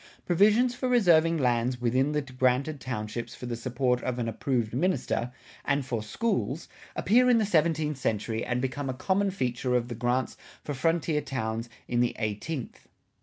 Provisions for reserving lands within the granted townships for the support of an approved minister, and for schools, appear in the seventeenth century and become a common feature of the grants for frontier towns in the eighteenth.